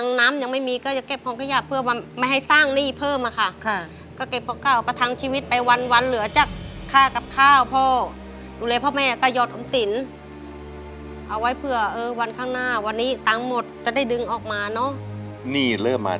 เขาก็ใส่ถุงนานเขาจนเขาเดินไม่ได้แล้วค่ะทุกวันนี้